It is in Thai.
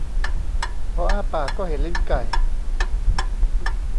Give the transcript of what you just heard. พออ้าปากก็เห็นลิ้นไก่